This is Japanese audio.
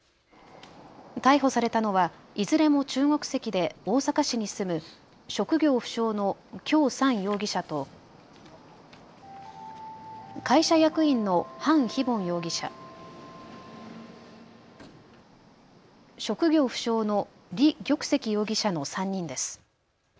逮捕されたのはいずれも中国籍で大阪市に住む職業不詳の姜山容疑者と会社役員の樊非凡容疑者、職業不詳の李玉碩容疑者の３人です。